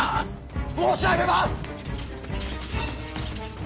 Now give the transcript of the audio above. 申し上げます！